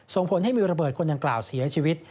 ส่งผลให้มีระเบิดคนดังกล่าวเสียชีวิต